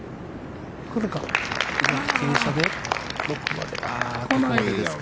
来るか。